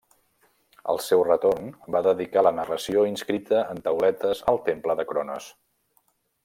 Al seu retorn, va dedicar la narració inscrita en tauletes al temple de Cronos.